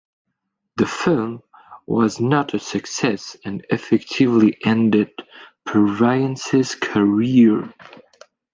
The film was not a success and effectively ended Purviance's career.